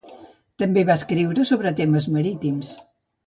També va escriure sobre temes marítims.